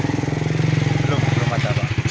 belum belum ada